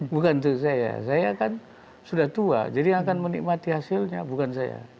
bukan untuk saya saya kan sudah tua jadi yang akan menikmati hasilnya bukan saya